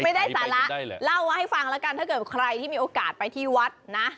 ไม่ได้สาระเล่าว่าให้ฟังแล้วกันถ้าเกิดใครที่มีโอกาสไปที่วัดนะ